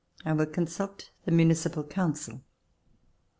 I will consult the Municipal Council."